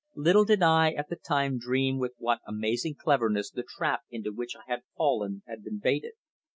Little did I at the time dream with what amazing cleverness the trap into which I had fallen had been baited.